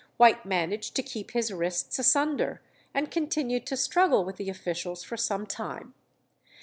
White managed to keep his wrists asunder, and continued to struggle with the officials for some time.